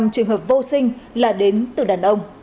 ba mươi trường hợp vô sinh là đến từ đàn ông